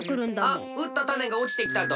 あっうったタネがおちてきたど。